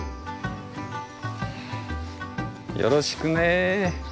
よろしくね。